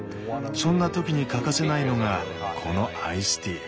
そんな時に欠かせないのがこのアイスティー。